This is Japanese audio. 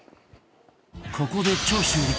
ここで長州力